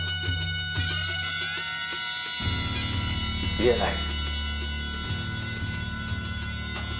言えない。